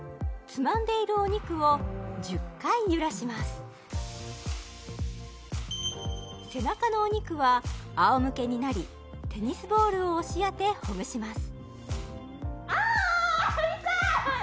つまんでいるお肉を１０回揺らします背中のお肉はあおむけになりテニスボールを押し当てほぐしますああ痛い！